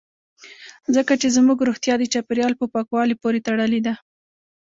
ځکه چې زموږ روغتیا د چاپیریال په پاکوالي پورې تړلې ده